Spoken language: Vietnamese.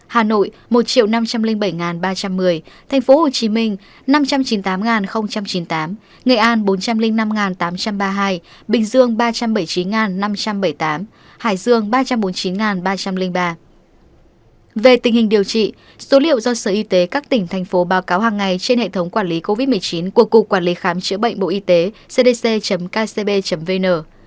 về tình hình điều trị số liệu do sở y tế các tỉnh thành phố báo cáo hàng ngày trên hệ thống quản lý covid một mươi chín của cục quản lý khám chữa bệnh bộ y tế cdc kcb vn